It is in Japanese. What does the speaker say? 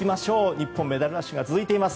日本、メダルラッシュが続いております。